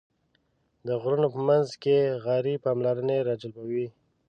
د غرونو په منځ کې غارې پاملرنه راجلبوي.